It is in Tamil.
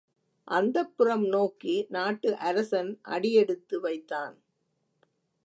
அந்தப்புரம் நோக்கி நாட்டு அரசன் அடியெடுத்து வைத்தான்.